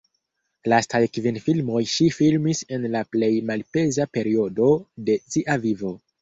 Lastaj kvin filmoj ŝi filmis en la plej malpeza periodo de sia vivo.